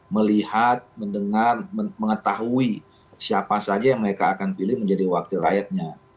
melihat mendengar mengetahui siapa saja yang mereka akan pilih menjadi wakil rakyatnya